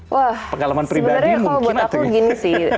wah sebenarnya kalau buat aku gini sih